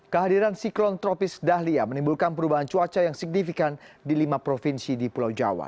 kehadiran siklon tropis dahlia menimbulkan perubahan cuaca yang signifikan di lima provinsi di pulau jawa